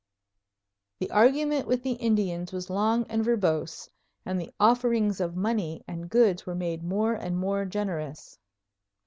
The argument with the Indians was long and verbose and the offerings of money and goods were made more and more generous.